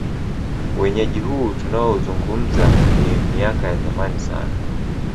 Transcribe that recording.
Uenyeji huu tunaouzungumza ni miaka ya zamani sana